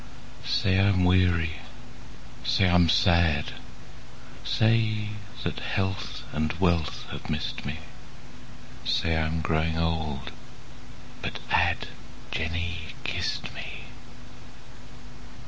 Say I'm weary, say I'm sad, 5 Say that health and wealth have miss'd me, Say I'm growing old, but add, Jenny kiss'd me.